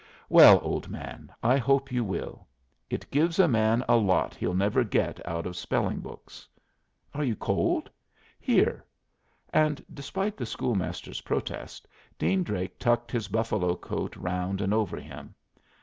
Well, old man, I hope you will. It gives a man a lot he'll never get out of spelling books. Are you cold? Here." And despite the school master's protest, Dean Drake tucked his buffalo coat round and over him.